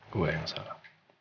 gue yang salah